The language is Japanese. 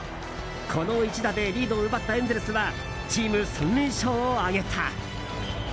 この一打でリードを奪ったエンゼルスはチーム３連勝を挙げた。